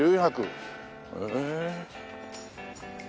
へえ。